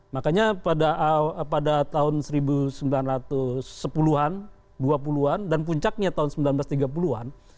makanya pada tahun seribu sembilan ratus sepuluh an dua puluh an dan puncaknya tahun seribu sembilan ratus tiga puluh an